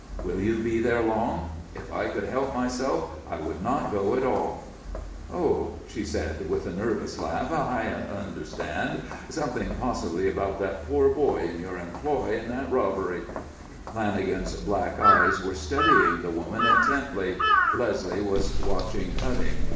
"Will you be there long?" "If I could help myself, I would not go at all." "Oh," she said, with a nervous laugh. "I understand. Something possibly about that poor boy in your employ and that robbery." Lanagan's black eyes were studying the woman intently; Leslie was watching Cutting.